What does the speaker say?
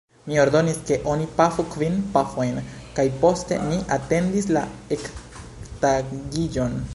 Mi ordonis ke oni pafu kvin pafojn, kaj poste ni atendis la ektagiĝon.